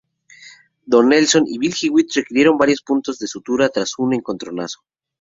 Don Nelson y Bill Hewitt requirieron varios puntos de sutura tras un encontronazo.